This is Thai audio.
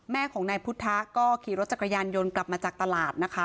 แม่ของนายพุทธะก็ขี่รถจักรยานยนต์กลับมาจากตลาดนะคะ